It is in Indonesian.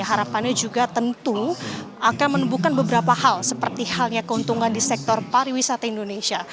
harapannya juga tentu akan menemukan beberapa hal seperti halnya keuntungan di sektor pariwisata indonesia